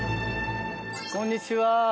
こんにちは。